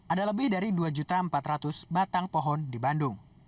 ada lebih dari dua empat ratus batang pohon di bandung